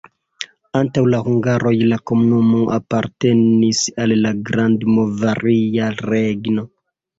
Antaŭ la hungaroj la komunumo apartenis al Grandmoravia Regno.